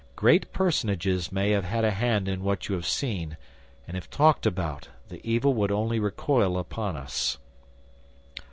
Great personages may have had a hand in what you have seen, and if talked about, the evil would only recoil upon us."